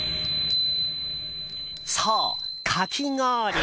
そう、かき氷！